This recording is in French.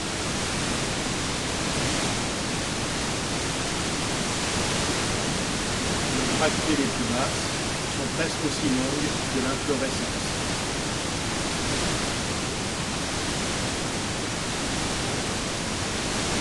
Les bractées les plus basses sont presque aussi longues que l'inflorescence.